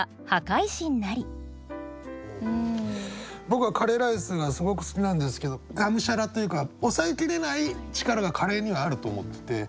僕はカレーライスがすごく好きなんですけどがむしゃらというか抑えきれない力がカレーにはあると思ってて。